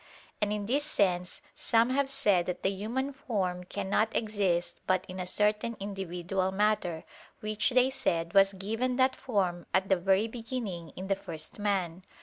And in this sense some have said that the human form cannot exist but in a certain individual matter, which, they said, was given that form at the very beginning in the first man.